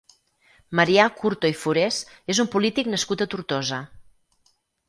Marià Curto i Forés és un polític nascut a Tortosa.